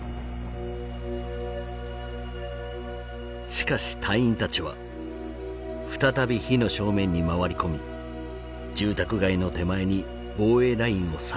しかし隊員たちは再び火の正面に回り込み住宅街の手前に防衛ラインを再構築。